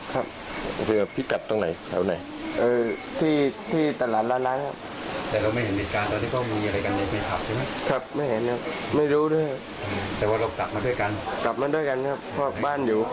กลับมาด้วยกันครับเพราะบ้านอยู่แค่กันครับ